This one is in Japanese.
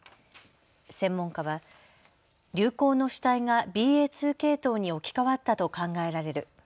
専門家は流行の主体がＢＡ．２系統に置き換わったと考えられる。